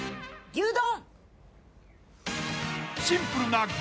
牛丼！？